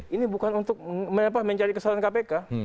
ini bukan untuk mencari kesalahan kpk